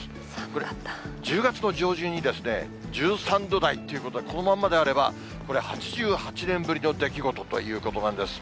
これ、１０月の上旬に１３度台っていうことで、このまんまであれば、これ、８８年ぶりの出来事ということなんです。